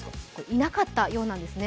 いなかったようなんですね。